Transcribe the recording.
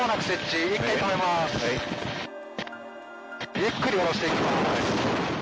ゆっくり下ろしていきます。